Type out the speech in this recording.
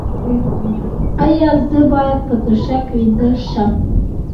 ایا زه باید په توشک ویده شم؟